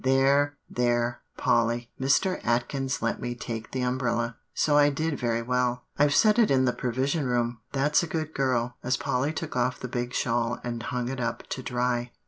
There, there, Polly, Mr. Atkins let me take the umbrella, so I did very well; I've set it in the Provision Room; that's a good girl," as Polly took off the big shawl and hung it up to dry.